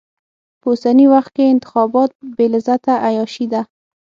په اوسني وخت کې انتخابات بې لذته عياشي ده.